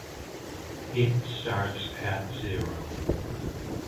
It starts at zero